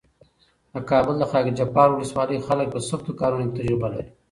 د کابل د خاکجبار ولسوالۍ خلک په سختو کارونو کې تجربه لري.